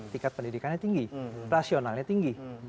tingkat pendidikannya tinggi rasionalnya tinggi